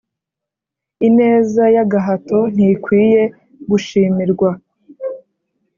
ineza y'agahato ntikwiye gushimirwa.